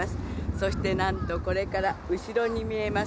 そして何とこれから後ろに見えます